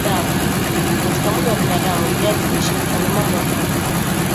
katika mwili wa binadam viazi lishe hufanya mambo yafuatayao